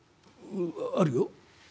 「あるよ」。